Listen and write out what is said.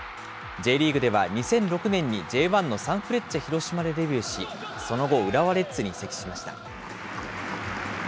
Ｊリーグでは２００６年にＪ１のサンフレッチェ広島でデビューし、その後、浦和レッズに移籍しました。